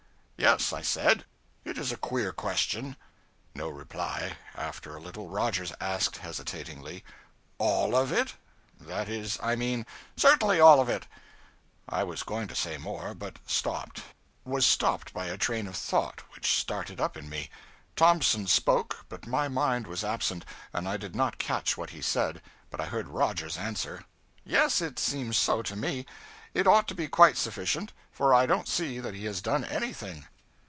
'Yes,' I said. 'It is a queer question.' No reply. After a little, Rogers asked, hesitatingly: '_All _of it? That is I mean ' 'Certainly, all of it.' I was going to say more, but stopped was stopped by a train of thought which started up in me. Thompson spoke, but my mind was absent, and I did not catch what he said. But I heard Rogers answer 'Yes, it seems so to me. It ought to be quite sufficient; for I don't see that he has done anything.'